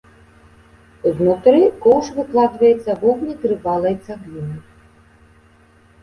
Знутры коўш выкладваецца вогнетрывалай цаглінай.